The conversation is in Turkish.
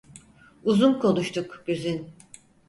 Uzun konuştuk, Güzin!